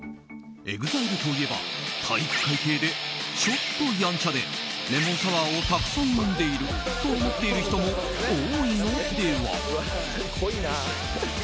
ＥＸＩＬＥといえば体育会系でちょっとヤンチャでレモンサワーをたくさん飲んでいると思っている人も多いのでは？